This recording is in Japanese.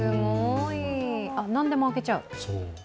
何でも開けちゃう。